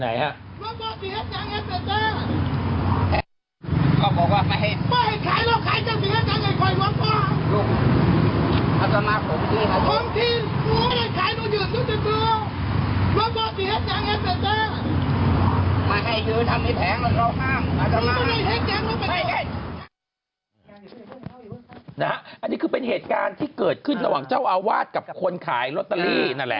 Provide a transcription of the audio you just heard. อันนี้คือเป็นเหตุการณ์ที่เกิดขึ้นระหว่างเจ้าอาวาสกับคนขายลอตเตอรี่นั่นแหละ